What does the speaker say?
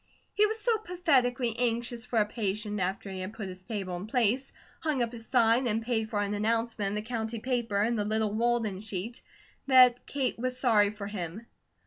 He was so pathetically anxious for a patient, after he had put his table in place, hung up his sign, and paid for an announcement in the county paper and the little Walden sheet, that Kate was sorry for him.